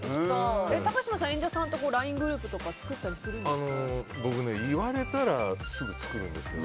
高嶋さん、演者さんとＬＩＮＥグループとか僕、言われたらすぐ作るんですけど。